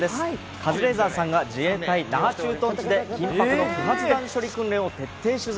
カズレーザーさんが自衛隊・那覇駐屯地で緊迫の不発弾処理訓練を徹底取材。